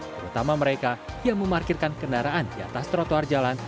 terutama mereka yang memarkirkan kendaraan di atas trotoar jalan